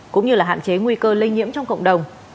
cũng như là hạn chế nguy cơ lây nhiễm trong cộng đồng